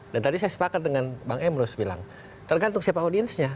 dan tadi saya sepakat dengan bang emroes bilang tergantung siapa audiensnya